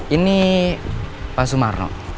ini pak sumarno